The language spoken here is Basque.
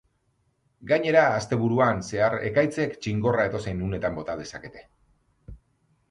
Gainera, asteburuan zehar ekaitzek txingorra edozein unetan bota dezakete.